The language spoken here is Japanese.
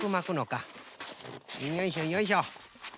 よいしょよいしょ。